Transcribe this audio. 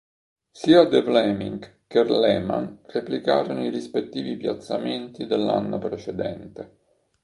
Sia De Vlaeminck che Leman replicarono i rispettivi piazzamenti dell'anno precedente.